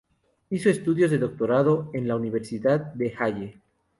Hizo estudios de doctorado en la Universidad de Halle.